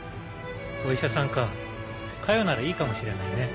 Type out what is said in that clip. お医者さんか加代ならいいかもしれないね。